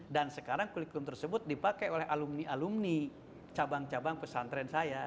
dan sekarang kurikulum tersebut dipakai oleh alumni alumni cabang cabang pesantren saya